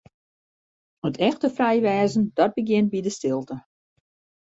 It echte frij wêzen, dat begjint by de stilte.